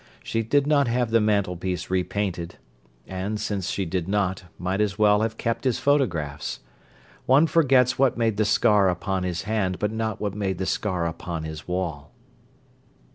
She did not have the mantelpiece repainted—and, since she did not, might as well have kept his photographs. One forgets what made the scar upon his hand but not what made the scar upon his wall.